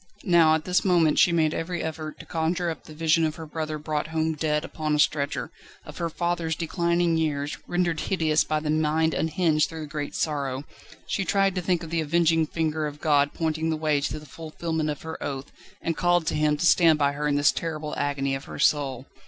Now, at this moment, she made every effort to conjure up the vision of her brother brought home dead upon a stretcher, of her father's declining years, rendered hideous by the mind unhinged through the great sorrow. She tried to think of the avenging finger of God pointing the way to the fulfilment of her oath, and called to Him to stand by her in this terrible agony of her soul.